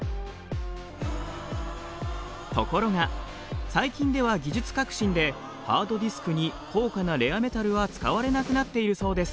ところが最近では技術革新でハードディスクに高価なレアメタルは使われなくなっているそうです。